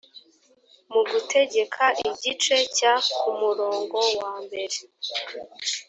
mu gutegeka igice cya ku murongo wa mbere